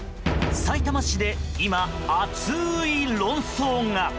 さいたま市で今、熱い論争が。